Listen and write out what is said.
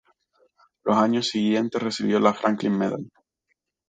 En los años siguientes recibió la "Franklin Medal".